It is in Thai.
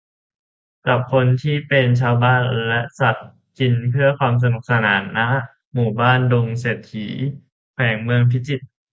จับคนที่เป็นชาวบ้านและสัตว์กินเพื่อความสนุกสนาน ณ หมู่บ้านดงเศรษฐี แขวงเมืองพิจิตร